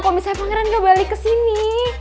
kalau misalnya pangeran gak balik ke sini